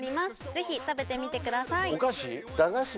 ぜひ食べてみてくださいお菓子？